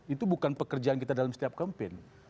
itu bukan pekerjaan kita dalam setiap campaign